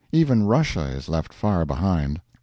Even Russia is left far behind.